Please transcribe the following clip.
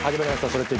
「それって！？